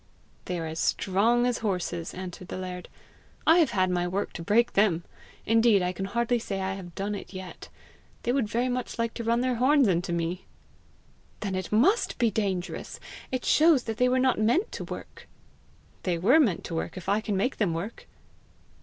"They are as strong as horses," answered the laird. "I have had my work to break them! Indeed, I can hardly say I have done it yet! they would very much like to run their horns into me!" "Then it MUST be dangerous! It shows that they were not meant to work!" "They were meant to work if I can make them work."